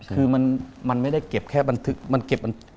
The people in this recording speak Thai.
คือมันไม่ได้เก็บแค่บันทึก